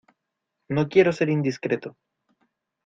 no quiero ser indiscreto